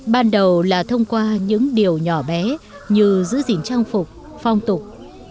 ban đầu là thông qua những điều nhỏ bé như giữ gìn trang phục phong tục